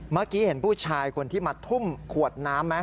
เมื่อกี้เห็นผู้ชายคนที่มาทุ่มขวดน้ำไหม